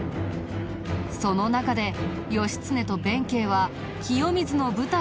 その中で義経と弁慶は清水の舞台で決闘。